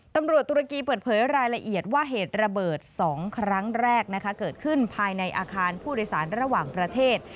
ตุรกีเปิดเผยรายละเอียดว่าเหตุระเบิด๒ครั้งแรกเกิดขึ้นภายในอาคารผู้โดยสารระหว่างประเทศ